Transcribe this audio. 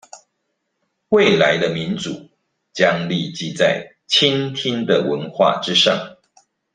未來的民主將立基在傾聽的文化之上